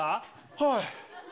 はい。